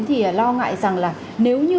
thì lo ngại rằng là nếu như